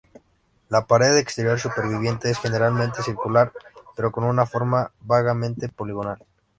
La pared exterior superviviente es generalmente circular pero con una forma vagamente poligonal.